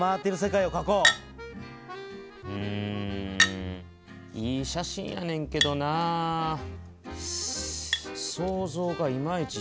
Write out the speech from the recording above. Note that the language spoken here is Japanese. うんいい写真やねんけどな想像がいまいち広がらへんな。